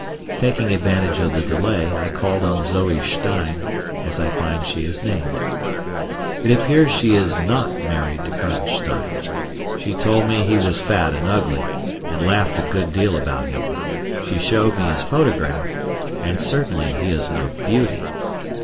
Taking advantage of the delay I called on Zoe Stein, as I find she is named. It appears she is not married to Colonel Stein. She told me he was fat and ugly, and laughed a good deal about him. She showed me his photograph, and certainly he is no beauty.